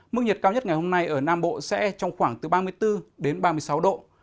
mức nhiệt cao nhất ngày hôm nay ở nam bộ sẽ trong khoảng từ ba mươi bốn đến ba mươi sáu độ